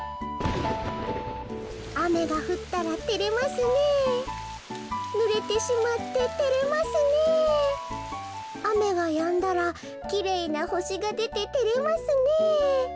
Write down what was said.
「あめがふったらてれますねえぬれてしまっててれますねえあめがやんだらきれいなほしがでててれますねえ」。